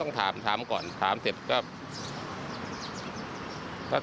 ก็ถามปกติเขาจะไปไหนมายังไง